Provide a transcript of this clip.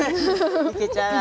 いけちゃう味。